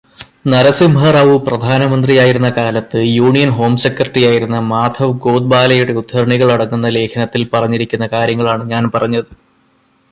നരസിംഹറാവു പ്രധാനമന്ത്രിയായിരുന്ന കാലത്ത് union home സെക്രട്ടറിയായിരുന്ന മാധവ് ഗോദ്ബോലെയുടെ ഉദ്ധരണികളടങ്ങുന്ന ലേഖനത്തിൽ പറഞ്ഞിരിക്കുന്ന കാര്യങ്ങളാണ് ഞാൻ പറഞ്ഞത്.